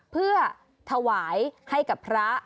เพื่อถวายให้กับพระ